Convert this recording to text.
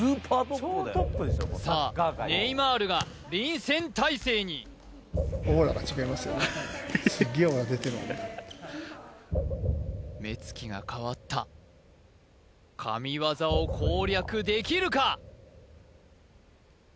さあネイマールが臨戦態勢に目つきが変わった神業を攻略できるか！？